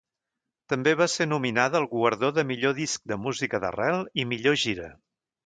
També va ser nominada al guardó de Millor disc de música d'arrel i Millor gira.